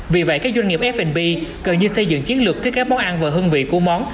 vì vậy các doanh nghiệp f b gần như xây dựng chiến lược thiết kế món ăn và hương vị của món